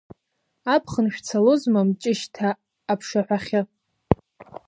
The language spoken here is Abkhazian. Аԥхын шәцалозма Мҷышьҭа аԥшаҳәахьы?